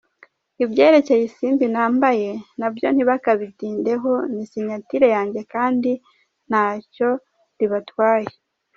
Ibyerekeye isimbi nambaye nabyo ntibakabitindeho ni signature yanjye, kandi ntacyo ribatwaye.